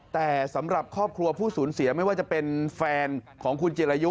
แต่สำหรับครอบครัวผู้สูญเสียไม่ว่าจะเป็นแฟนของคุณจิรายุ